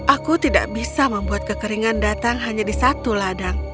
aku tidak bisa membuat kekeringan datang hanya di satu ladang